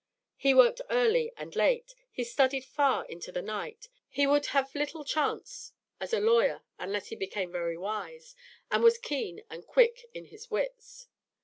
He worked early and late. He studied far into the night. He would have little chance as a lawyer unless he became very wise, and was keen and quick in his wits.